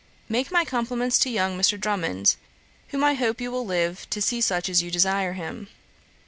'Make my compliments to young Mr. Drummond, whom I hope you will live to see such as you desire him.